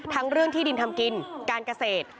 เรื่องที่ดินทำกินการเกษตร